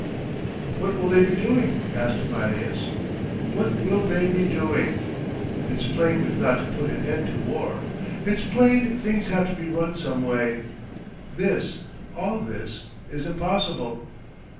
'"What will they be doing," asked Mylius, "what will they be doing? It's plain we've got to put an end to war. It's plain things have to be run some way. This—all this—is impossible."